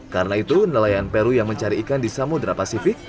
karena itu nelayan peru yang mencari ikan di samudera pasifik